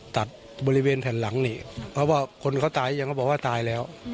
ตัดบริเวณแผ่นหลังนี่เพราะว่าคนเขาตายยังเขาบอกว่าตายแล้ว